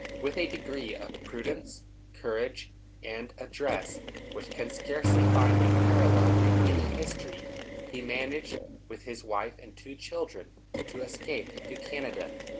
With a degree of prudence, courage and address, which can scarcely find a parallel in any history, he managed, with his wife and two children, to escape into Canada.